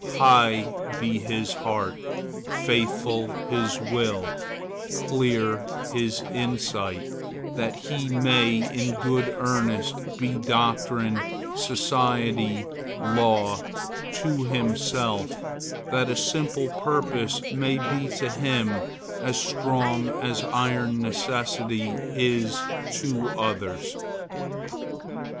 High be his heart, faithful his will, clear his sight, that he may in good earnest be doctrine, society, law, to himself, that a simple purpose may be to him as strong as iron necessity is to others!